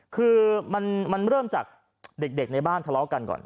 คือมันเริ่มจากเด็กในบ้านทะเลาะกันก่อน